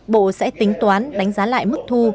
bộ sẽ tính toán đánh giá lại mức thu